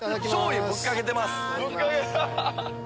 ・醤油ぶっかけてます。